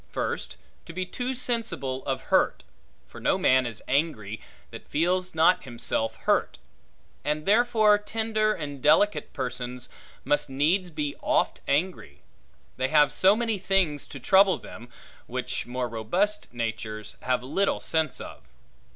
First, to be too sensible of hurt; for no man is angry, that feels not himself hurt; and therefore tender and delicate persons must needs be oft angry; they have so many things to trouble them, which more robust natures have little sense of.